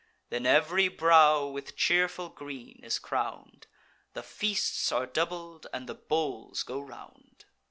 Then ev'ry brow with cheerful green is crown'd, The feasts are doubled, and the bowls go round.